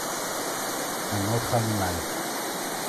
Un autre animal.